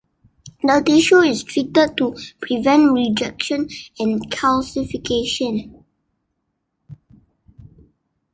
The tissue is treated to prevent rejection and calcification.